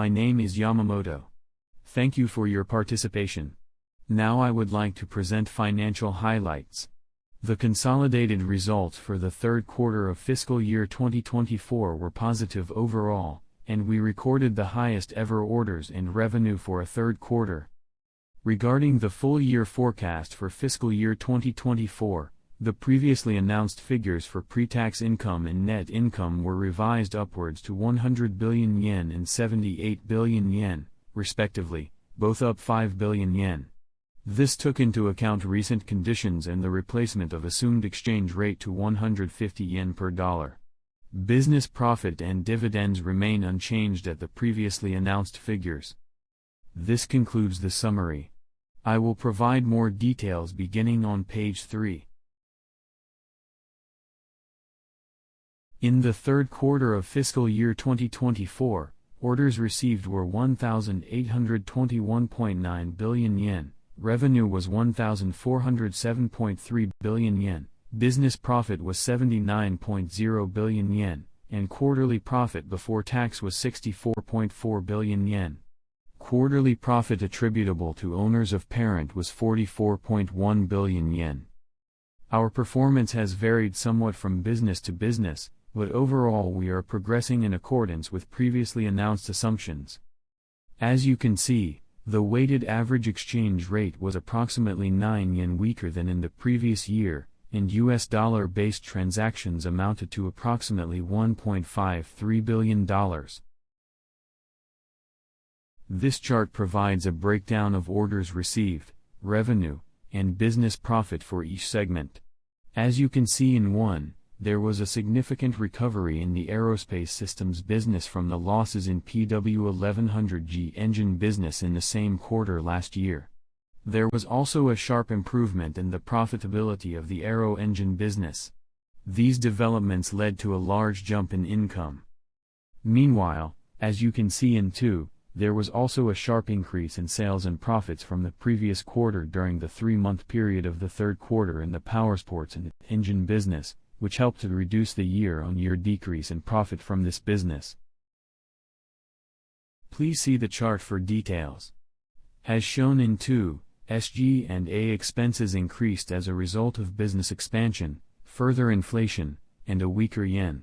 My name is Yamamoto. Thank you for your participation. Now I would like to present financial highlights. The consolidated results for the third quarter of fiscal year 2024 were positive overall, and we recorded the highest-ever orders and revenue for a third quarter. Regarding the full-year forecast for fiscal year 2024, the previously announced figures for pre-tax income and net income were revised upwards to 100 billion yen and 78 billion yen, respectively, both up 5 billion yen. This took into account recent conditions and the replacement of assumed exchange rate to 150 yen per $1. Business profit and dividends remain unchanged at the previously announced figures. This concludes the summary. I will provide more details beginning on page 3. In the third quarter of fiscal year 2024, orders received were 1,821.9 billion yen, revenue was 1,407.3 billion yen, business profit was 79.0 billion yen, and quarterly profit before tax was 64.4 billion yen. Quarterly profit attributable to owners of parent was 44.1 billion yen. Our performance has varied somewhat from business to business, but overall we are progressing in accordance with previously announced assumptions. As you can see, the weighted average exchange rate was approximately 9 yen weaker than in the previous year, and U.S. dollar-based transactions amounted to approximately $1.53 billion. This chart provides a breakdown of orders received, revenue, and business profit for each segment. As you can see in one, there was a significant recovery in the aerospace systems business from the losses in PW1100G engine business in the same quarter last year. There was also a sharp improvement in the profitability of the Aero Engine business. These developments led to a large jump in income. Meanwhile, as you can see in two, there was also a sharp increase in sales and profits from the previous quarter during the three-month period of the third quarter in the Powersports and Engine business, which helped to reduce the year-on-year decrease in profit from this business. Please see the chart for details. As shown in two, SG&A expenses increased as a result of business expansion, further inflation, and a weaker yen.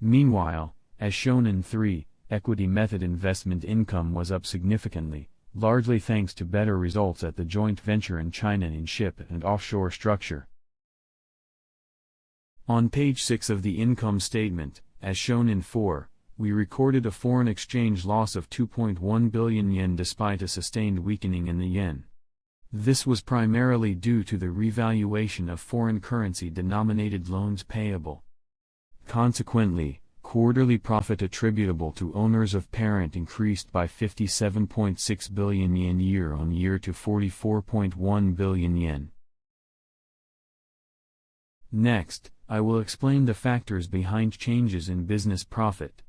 Meanwhile, as shown in three, equity method investment income was up significantly, largely thanks to better results at the joint venture in China in ship and offshore structures. On page 6 of the income statement, as shown in four, we recorded a foreign exchange loss of 2.1 billion yen despite a sustained weakening in the yen. This was primarily due to the revaluation of foreign currency-denominated loans payable. Consequently, quarterly profit attributable to owners of parent increased by 57.6 billion yen year-on-year to 44.1 billion yen. Next, I will explain the factors behind changes in business profit.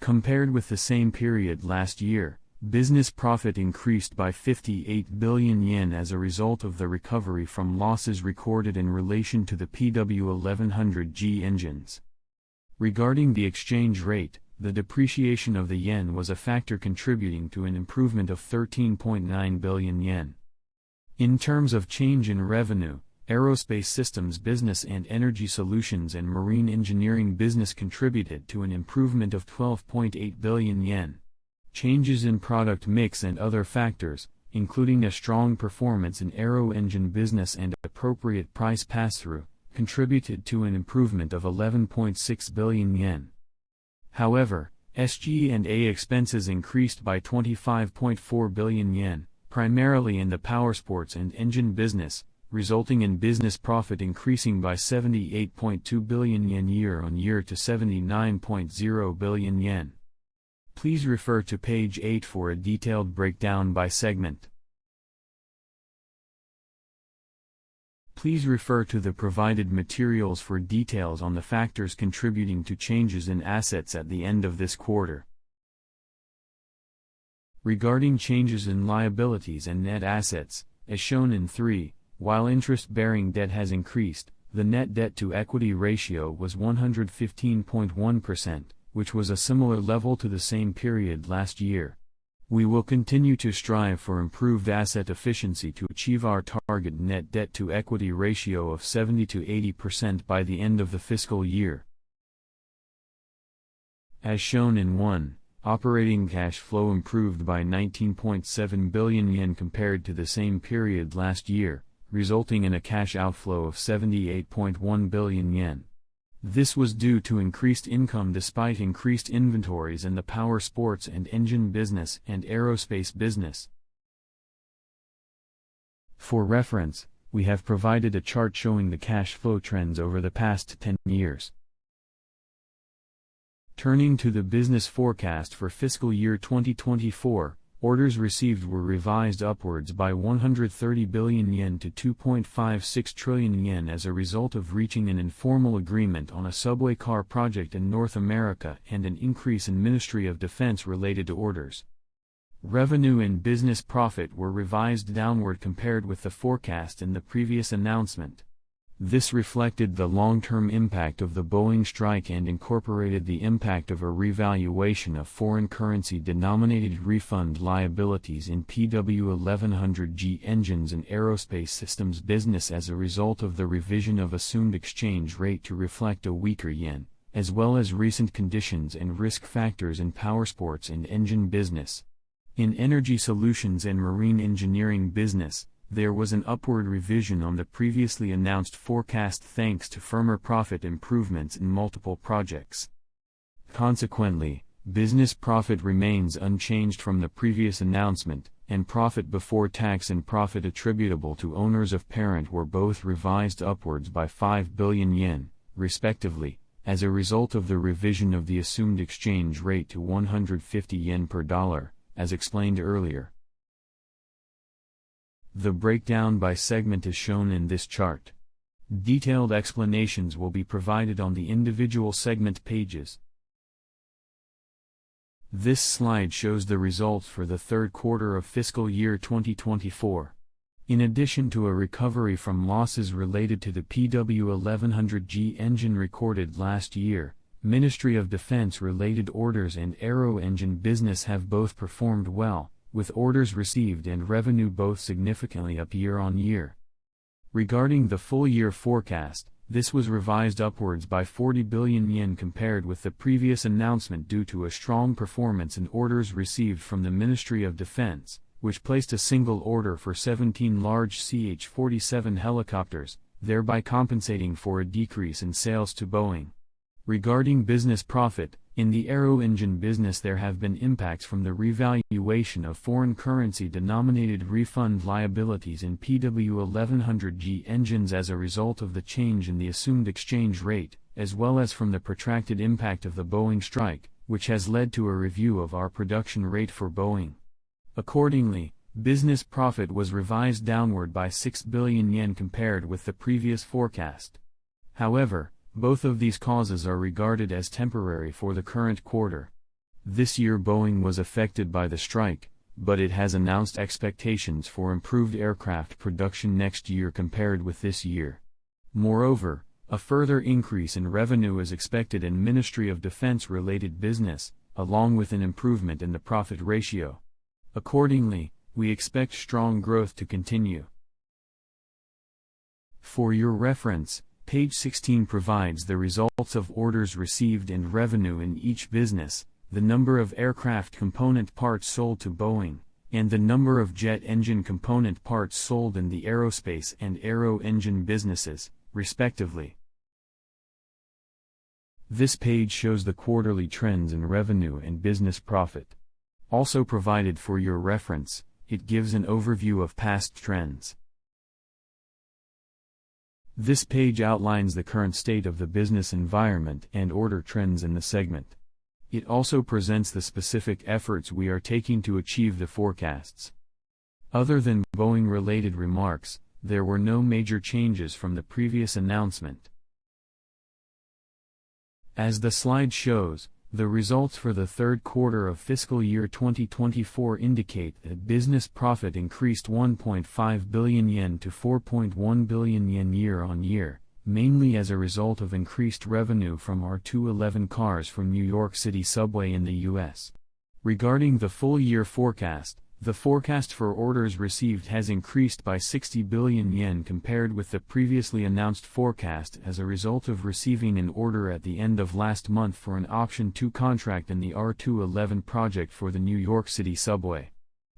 Compared with the same period last year, business profit increased by 58 billion yen as a result of the recovery from losses recorded in relation to the PW1100G engines. Regarding the exchange rate, the depreciation of the yen was a factor contributing to an improvement of 13.9 billion yen. In terms of change in revenue, Aerospace Systems business and Energy Solution and Marine Engineering business contributed to an improvement of 12.8 billion yen. Changes in product mix and other factors, including a strong performance in aero engine business and appropriate price pass-through, contributed to an improvement of 11.6 billion yen. However, SG&A expenses increased by 25.4 billion yen, primarily in the Powersports and Engine business, resulting in business profit increasing by 78.2 billion yen year-on-year to 79.0 billion yen. Please refer to page 8 for a detailed breakdown by segment. Please refer to the provided materials for details on the factors contributing to changes in assets at the end of this quarter. Regarding changes in liabilities and net assets, as shown in three, while interest-bearing debt has increased, the net debt-to-equity ratio was 115.1%, which was a similar level to the same period last year. We will continue to strive for improved asset efficiency to achieve our target net debt-to-equity ratio of 70%-80% by the end of the fiscal year. As shown in one, operating cash flow improved by 19.7 billion yen compared to the same period last year, resulting in a cash outflow of 78.1 billion yen. This was due to increased income despite increased inventories in the Powersports and Engine business and aerospace business. For reference, we have provided a chart showing the cash flow trends over the past 10 years. Turning to the business forecast for fiscal year 2024, orders received were revised upwards by 130 billion yen to 2.56 trillion yen as a result of reaching an informal agreement on a subway car project in North America and an increase in Ministry of Defense related to orders. Revenue and business profit were revised downward compared with the forecast in the previous announcement. This reflected the long-term impact of the Boeing strike and incorporated the impact of a revaluation of foreign currency-denominated refund liabilities in PW1100G engines and aerospace systems business as a result of the revision of assumed exchange rate to reflect a weaker JPY, as well as recent conditions and risk factors in Powersports and Engine business. In Energy Solution and Marine Engineering business, there was an upward revision on the previously announced forecast thanks to firmer profit improvements in multiple projects. Consequently, business profit remains unchanged from the previous announcement, and profit before tax and profit attributable to owners of parent were both revised upwards by 5 billion yen, respectively, as a result of the revision of the assumed exchange rate to 150 yen per $1, as explained earlier. The breakdown by segment is shown in this chart. Detailed explanations will be provided on the individual segment pages. This slide shows the results for the third quarter of fiscal year 2024. In addition to a recovery from losses related to the PW1100G engine recorded last year, Ministry of Defense-related orders and aero engine business have both performed well, with orders received and revenue both significantly up year-on-year. Regarding the full-year forecast, this was revised upwards by 40 billion yen compared with the previous announcement due to a strong performance in orders received from the Ministry of Defense, which placed a single order for 17 large CH-47 helicopters, thereby compensating for a decrease in sales to Boeing. Regarding business profit, in the aero engine business there have been impacts from the revaluation of foreign currency-denominated refund liabilities in PW1100G engines as a result of the change in the assumed exchange rate, as well as from the protracted impact of the Boeing strike, which has led to a review of our production rate for Boeing. Accordingly, business profit was revised downward by 6 billion yen compared with the previous forecast. However, both of these causes are regarded as temporary for the current quarter. This year Boeing was affected by the strike, but it has announced expectations for improved aircraft production next year compared with this year. Moreover, a further increase in revenue is expected in Ministry of Defense-related business, along with an improvement in the profit ratio. Accordingly, we expect strong growth to continue. For your reference, page 16 provides the results of orders received and revenue in each business, the number of aircraft component parts sold to Boeing, and the number of jet engine component parts sold in the aerospace and aero engine businesses, respectively. This page shows the quarterly trends in revenue and business profit. Also provided for your reference, it gives an overview of past trends. This page outlines the current state of the business environment and order trends in the segment. It also presents the specific efforts we are taking to achieve the forecasts. Other than Boeing-related remarks, there were no major changes from the previous announcement. As the slide shows, the results for the third quarter of fiscal year 2024 indicate that business profit increased 1.5 billion yen to 4.1 billion yen year-on-year, mainly as a result of increased revenue from R211 cars from New York City Subway in the U.S. Regarding the full-year forecast, the forecast for orders received has increased by 60 billion yen compared with the previously announced forecast as a result of receiving an order at the end of last month for an Option 2 contract in the R211 project for the New York City Subway.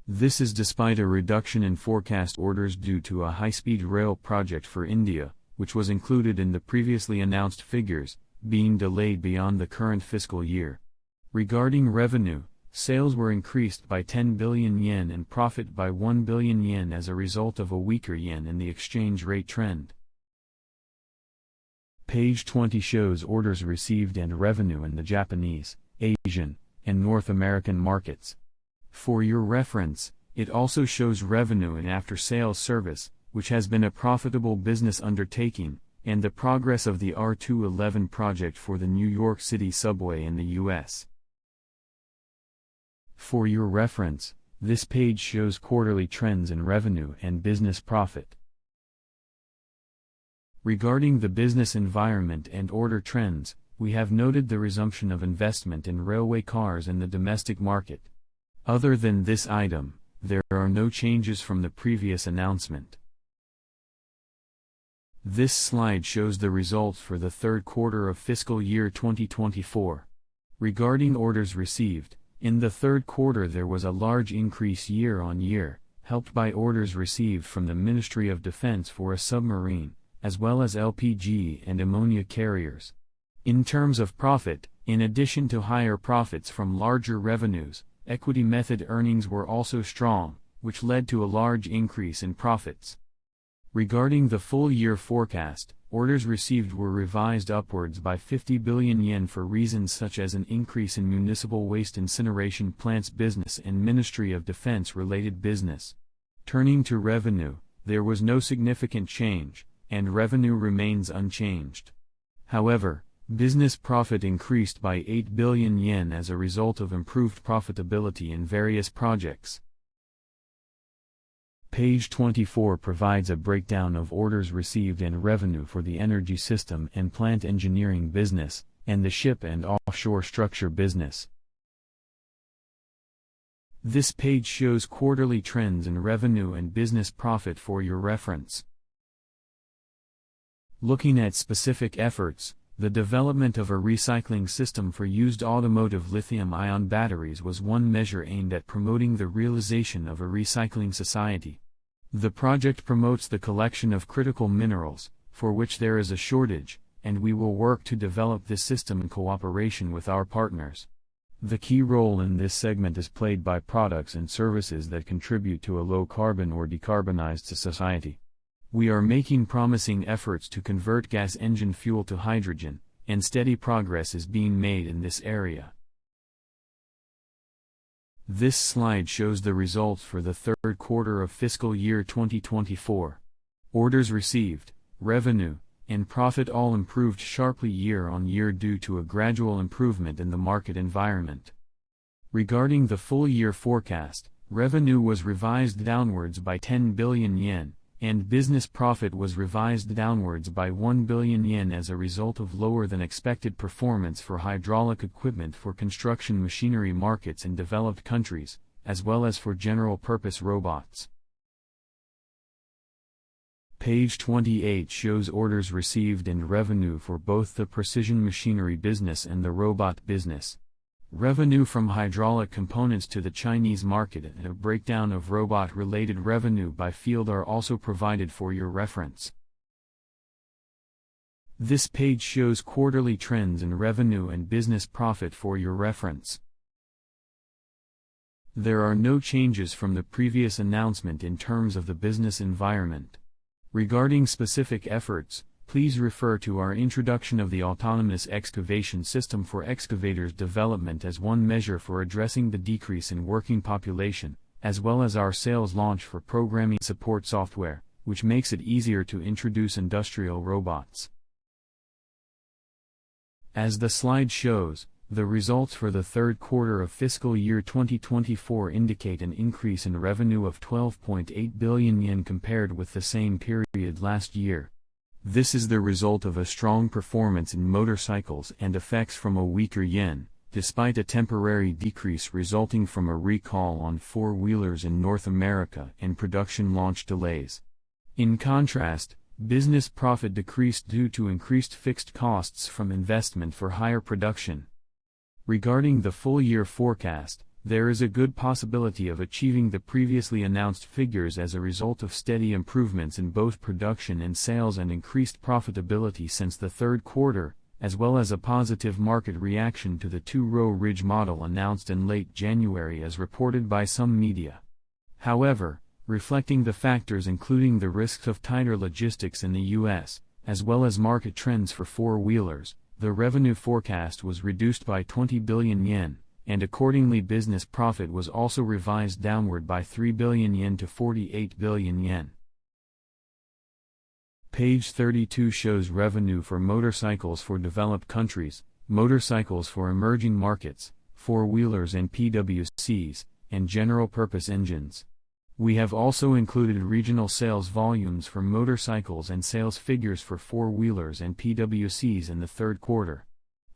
This is despite a reduction in forecast orders due to a high-speed rail project for India, which was included in the previously announced figures, being delayed beyond the current fiscal year. Regarding revenue, sales were increased by 10 billion yen and profit by 1 billion yen as a result of a weaker yen in the exchange rate trend. Page 20 shows orders received and revenue in the Japanese, Asian, and North American markets. For your reference, it also shows revenue in after-sales service, which has been a profitable business undertaking, and the progress of the R211 project for the New York City Subway in the U.S. For your reference, this page shows quarterly trends in revenue and business profit. Regarding the business environment and order trends, we have noted the resumption of investment in railway cars in the domestic market. Other than this item, there are no changes from the previous announcement. This slide shows the results for the third quarter of fiscal year 2024. Regarding orders received, in the third quarter there was a large increase year-on-year, helped by orders received from the Ministry of Defense for a submarine, as well as LPG and ammonia carriers. In terms of profit, in addition to higher profits from larger revenues, equity method earnings were also strong, which led to a large increase in profits. Regarding the full-year forecast, orders received were revised upwards by 50 billion yen for reasons such as an increase in municipal waste incineration plants business and Ministry of Defense-related business. Turning to revenue, there was no significant change, and revenue remains unchanged. However, business profit increased by 8 billion yen as a result of improved profitability in various projects. Page 24 provides a breakdown of orders received and revenue for the energy system and plant engineering business, and the ship and offshore structure business. This page shows quarterly trends in revenue and business profit for your reference. Looking at specific efforts, the development of a recycling system for used automotive lithium-ion batteries was one measure aimed at promoting the realization of a recycling society. The project promotes the collection of critical minerals, for which there is a shortage, and we will work to develop this system in cooperation with our partners. The key role in this segment is played by products and services that contribute to a low-carbon or decarbonized society. We are making promising efforts to convert gas engine fuel to hydrogen, and steady progress is being made in this area. This slide shows the results for the third quarter of fiscal year 2024. Orders received, revenue, and profit all improved sharply year-on-year due to a gradual improvement in the market environment. Regarding the full-year forecast, revenue was revised downwards by 10 billion yen, and business profit was revised downwards by 1 billion yen as a result of lower-than-expected performance for hydraulic equipment for construction machinery markets in developed countries, as well as for general-purpose robots. Page 28 shows orders received and revenue for both the precision machinery business and the robot business. Revenue from hydraulic components to the Chinese market and a breakdown of robot-related revenue by field are also provided for your reference. This page shows quarterly trends in revenue and business profit for your reference. There are no changes from the previous announcement in terms of the business environment. Regarding specific efforts, please refer to our introduction of the autonomous excavation system for excavators development as one measure for addressing the decrease in working population, as well as our sales launch for programming support software, which makes it easier to introduce industrial robots. As the slide shows, the results for the third quarter of fiscal year 2024 indicate an increase in revenue of 12.8 billion yen compared with the same period last year. This is the result of a strong performance in motorcycles and effects from a weaker yen, despite a temporary decrease resulting from a recall on four-wheelers in North America and production launch delays. In contrast, business profit decreased due to increased fixed costs from investment for higher production. Regarding the full-year forecast, there is a good possibility of achieving the previously announced figures as a result of steady improvements in both production and sales and increased profitability since the third quarter, as well as a positive market reaction to the two-row RIDGE model announced in late January as reported by some media. However, reflecting the factors including the risks of tighter logistics in the U.S., as well as market trends for four-wheelers, the revenue forecast was reduced by 20 billion yen, and accordingly business profit was also revised downward by 3 billion yen to 48 billion yen. Page 32 shows revenue for motorcycles for developed countries, motorcycles for emerging markets, four-wheelers and PWCs, and general-purpose engines. We have also included regional sales volumes for motorcycles and sales figures for four-wheelers and PWCs in the third quarter.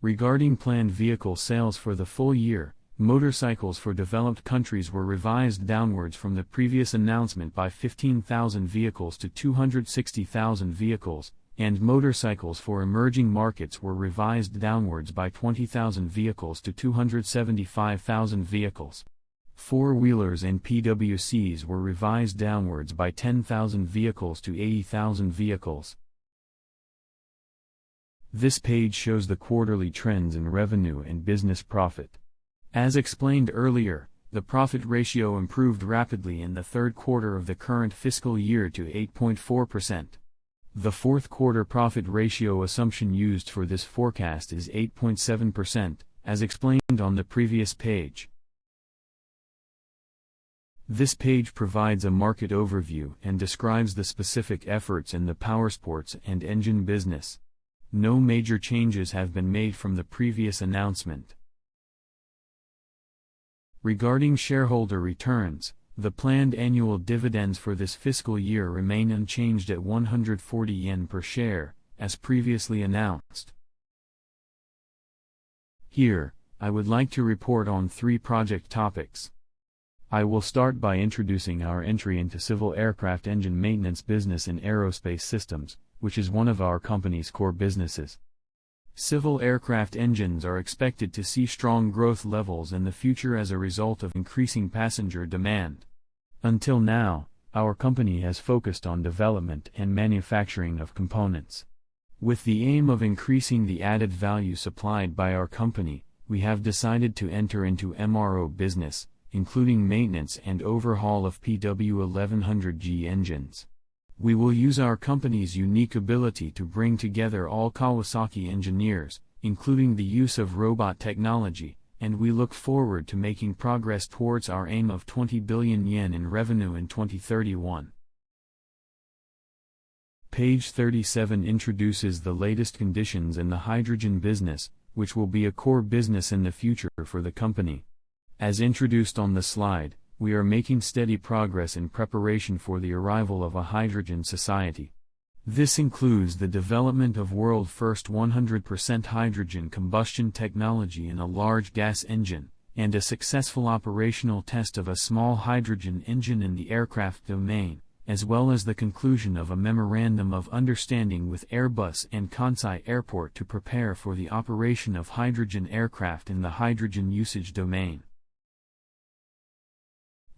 Regarding planned vehicle sales for the full year, motorcycles for developed countries were revised downwards from the previous announcement by 15,000 vehicles to 260,000 vehicles, and motorcycles for emerging markets were revised downwards by 20,000 vehicles to 275,000 vehicles. Four-wheelers and PWCs were revised downwards by 10,000 vehicles to 80,000 vehicles. This page shows the quarterly trends in revenue and business profit. As explained earlier, the profit ratio improved rapidly in the third quarter of the current fiscal year to 8.4%. The fourth quarter profit ratio assumption used for this forecast is 8.7%, as explained on the previous page. This page provides a market overview and describes the specific efforts in the Powersports and Engine business. No major changes have been made from the previous announcement. Regarding shareholder returns, the planned annual dividends for this fiscal year remain unchanged at 140 yen per share, as previously announced. Here, I would like to report on three project topics. I will start by introducing our entry into civil aircraft engine maintenance business in aerospace systems, which is one of our company's core businesses. Civil aircraft engines are expected to see strong growth levels in the future as a result of increasing passenger demand. Until now, our company has focused on development and manufacturing of components. With the aim of increasing the added value supplied by our company, we have decided to enter into MRO business, including maintenance and overhaul of PW1100G engines. We will use our company's unique ability to bring together all Kawasaki engineers, including the use of robot technology, and we look forward to making progress towards our aim of 20 billion yen in revenue in 2031. Page 37 introduces the latest conditions in the hydrogen business, which will be a core business in the future for the company. As introduced on the slide, we are making steady progress in preparation for the arrival of a hydrogen society. This includes the development of world-first 100% hydrogen combustion technology in a large gas engine, and a successful operational test of a small hydrogen engine in the aircraft domain, as well as the conclusion of a memorandum of understanding with Airbus and Kansai Airports to prepare for the operation of hydrogen aircraft in the hydrogen usage domain.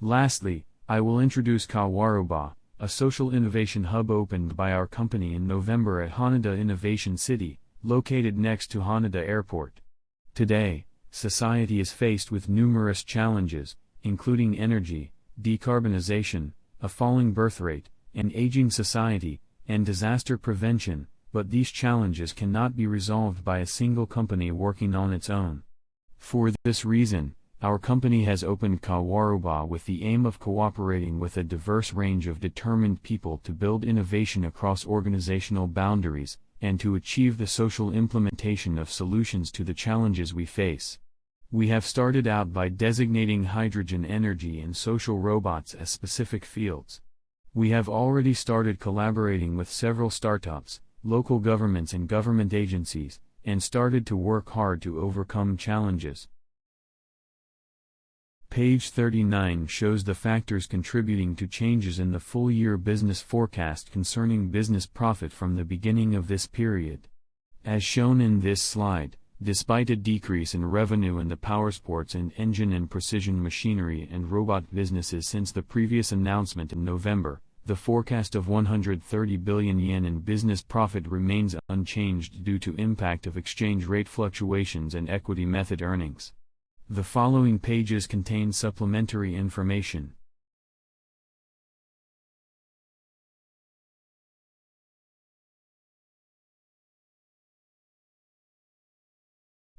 Lastly, I will introduce Kawaroba, a social innovation hub opened by our company in November at Haneda Innovation City, located next to Haneda Airport. Today, society is faced with numerous challenges, including energy, decarbonization, a falling birth rate, an aging society, and disaster prevention, but these challenges cannot be resolved by a single company working on its own. For this reason, our company has opened Kawaroba with the aim of cooperating with a diverse range of determined people to build innovation across organizational boundaries and to achieve the social implementation of solutions to the challenges we face. We have started out by designating hydrogen energy and social robots as specific fields. We have already started collaborating with several startups, local governments and government agencies, and started to work hard to overcome challenges. Page 39 shows the factors contributing to changes in the full-year business forecast concerning business profit from the beginning of this period. As shown in this slide, despite a decrease in revenue in the Powersports and Engine and precision machinery and robot businesses since the previous announcement in November, the forecast of 130 billion yen in business profit remains unchanged due to the impact of exchange rate fluctuations and equity method earnings. The following pages contain supplementary information.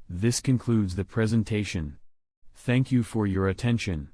This concludes the presentation. Thank you for your attention.